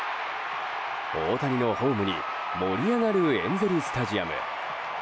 大谷のホームに盛り上がるエンゼル・スタジアム。